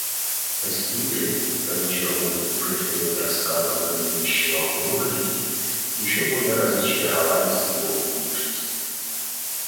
Посетители, разочарованные уже вперед рассказом Голенищева о художнике, еще более разочаровались его внешностью.